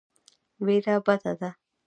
وېره بده ده.